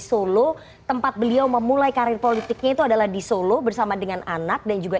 solo tempat beliau memulai karir politiknya itu adalah di solo bersama dengan anak dan juga